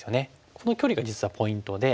この距離が実はポイントで。